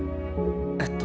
えっと。